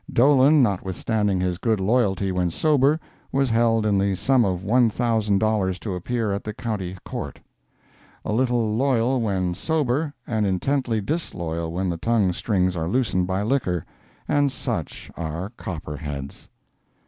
Dolan, notwithstanding his good loyalty when sober, was held in the sum of one thousand dollars to appear at the County Court. A little loyal when sober, and intensely disloyal when the tongue strings are loosened by liquor—and such are Copperheads.